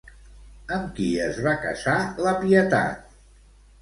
Amb qui es va casar la Pietat?